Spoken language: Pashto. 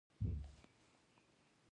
بامیان د افغانستان د طبیعي پدیدو یو رنګ دی.